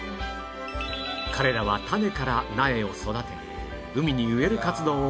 彼らは種から苗を育て海に植える活動を行っているのだ